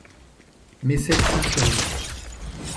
Mais celle-ci survit.